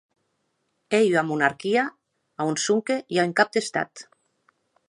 Ua ei era monarquia, a on sonque i a un cap d'Estat.